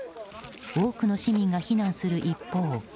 多くの市民が避難する一方